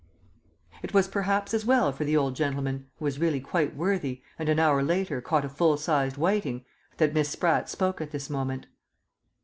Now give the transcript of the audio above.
It was perhaps as well for the old gentleman who was really quite worthy, and an hour later caught a full sized whiting that Miss Spratt spoke at this moment.